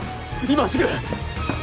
今すぐ！